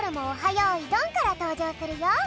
よいどん」からとうじょうするよ。